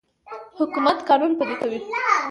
حکومت قانون پلی کوي.